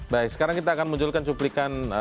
baik sekarang kita akan munculkan cuplikan